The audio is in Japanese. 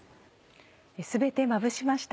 全てまぶしました。